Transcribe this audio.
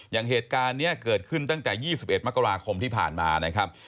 อย่างเหตุการณ์นี้เกิดขึ้นตั้งแต่๒๑มกราคมที่ผ่านมานะครับ